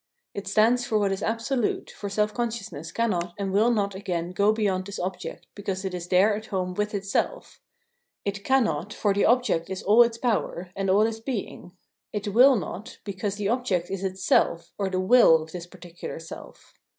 It stands for what is absolute, for self consciousness cannot and will not again go beyond this object because it is there at home with itself : it cannot, for the object is all its power, and all its being : it will not, because the object is its self, or the will of this particular self.